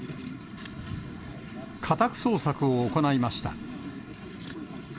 家宅捜索を行いました。